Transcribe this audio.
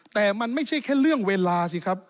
แต่มันไม่ใช่แค่เรื่องเวลาสิครับ